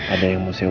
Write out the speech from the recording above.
ada yang mau duduk